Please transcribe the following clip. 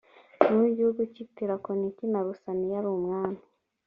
ni uw igihugu cy i tirakoniti na lusaniya ari umwami